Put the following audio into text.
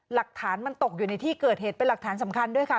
หลักฐานมันตกอยู่ในที่เกิดเหตุเป็นหลักฐานสำคัญด้วยค่ะ